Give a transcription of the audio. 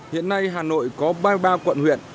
hiện nay hà nội có ba mươi ba quận huyện